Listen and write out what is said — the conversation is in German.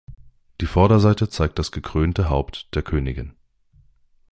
Die Vorderseite zeigt das gekrönte Haupt der Königin.